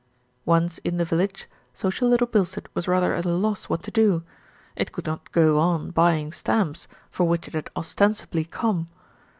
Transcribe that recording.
Once in the village, social Little Bilstead was rather at a loss what to do. It could not go on buying stamps, for which it had ostensibly come.